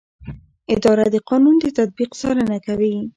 اداره د قانون د تطبیق څارنه کوي.